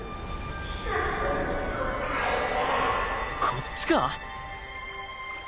こっちか？